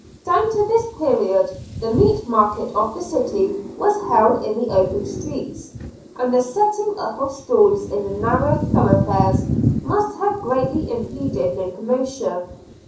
Down to this period the meat market of the city was held in the open streets, and the setting up of stalls in the narrow thoroughfares must have greatly impeded locomotion.